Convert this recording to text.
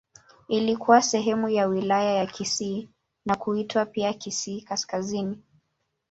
Ilikuwa sehemu ya Wilaya ya Kisii na kuitwa pia Kisii Kaskazini.